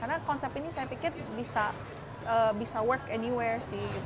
karena konsep ini saya pikir bisa work anywhere sih